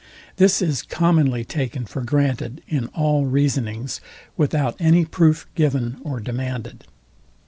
This is commonly taken for granted in all reasonings, without any proof given or demanded.